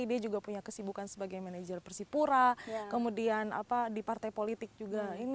dia juga punya kesibukan sebagai manajer persipura kemudian di partai politik juga